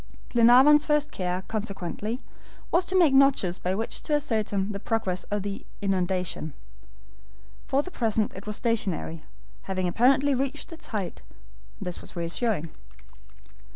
Glenarvan's first care, consequently, was to make notches by which to ascertain the progress of the inundation. For the present it was stationary, having apparently reached its height. This was reassuring.